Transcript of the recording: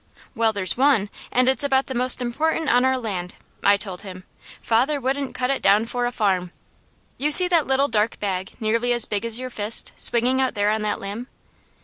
"Well, there's one, and it's about the most important on our land," I told him. "Father wouldn't cut it down for a farm. You see that little dark bag nearly as big as your fist, swinging out there on that limb?